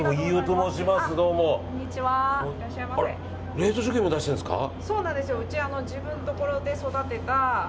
冷凍食品も出してるんですか。